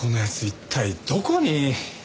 一体どこに。